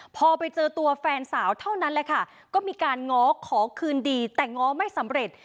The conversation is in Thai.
พอไปเจอตัวแฟนสาวเท่านั้นแหละค่ะก็มีการง้อขอคืนดีแต่ง้อไม่สำเร็จ